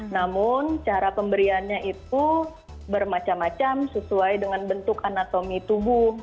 namun cara pemberiannya itu bermacam macam sesuai dengan bentuk anatomi tubuh